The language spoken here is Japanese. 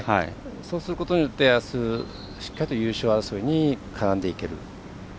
そうすることによって、あすしっかり優勝争いに絡んでいける。